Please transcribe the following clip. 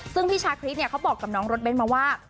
ซึ่งพี่ชาคริสเนี่ยเขาบอกกับน้องรถเบ้นมาว่า